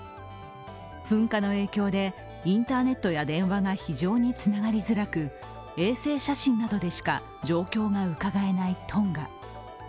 噴火の影響でインターネットや電話が非常につながりづらく衛星写真などでしか状況がうかがえないトンガ。